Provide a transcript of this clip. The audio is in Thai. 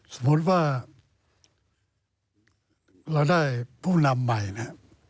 สมมุติว่าเราได้ผู้นำใหม่นะครับ